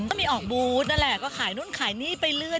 ก็มีออกบูธนั่นแหละก็ขายนู่นขายนี่ไปเรื่อย